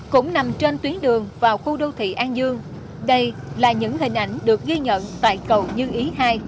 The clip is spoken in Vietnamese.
cũng nằm trên tuyến đường vào khu đô thị an dương đây là những hình ảnh được ghi nhận tại cầu nhân ý hai